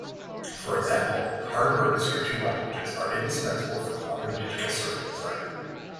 For example, hardware description languages are indispensable for modern digital circuit design.